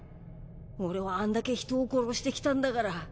俺はあんだけ人を殺してきたんだから。